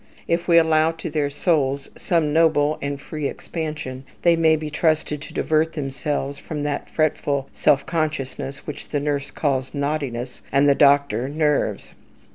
If we allow to their souls some noble and free expansion, they may be trusted to divert themselves from that fretful self consciousness which the nurse calls naughtiness, and the doctor, nerves.